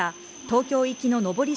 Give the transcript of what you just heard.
東京行きの上り